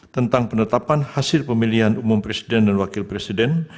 tentang penetapan hasil pemilihan umum presiden dan wakil presiden